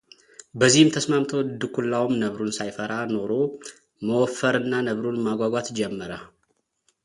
በዚህም ተስማምተው ድኩላውም ነብሩን ሳይፈራ ኖሮ መወፈርና ነብሩን ማጓጓት ጀመረ፡፡